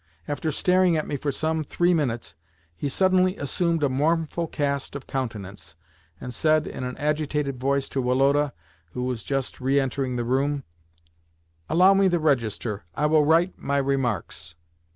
After staring at me for some three minutes, he suddenly assumed a mournful cast of countenance, and said in an agitated voice to Woloda (who was just re entering the room): "Allow me the register. I will write my remarks."